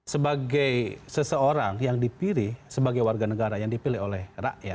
sebagai seseorang yang dipilih sebagai warga negara yang dipilih oleh rakyat